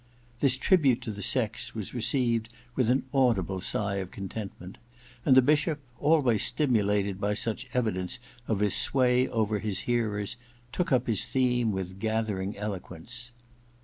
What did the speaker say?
This tribute to the sex was received with an audible sigh of content ment, and the Bishop, always stimulated by such r 1 14 EXPIATION T evidence of his sway over his hearers, took up his theme with gathering eloquence.